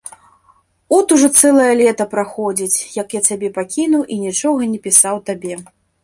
От ужо цэлае лета праходзіць, як я цябе пакінуў і нічога не пісаў табе.